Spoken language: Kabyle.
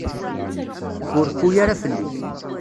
Ur reffu ara fell-i.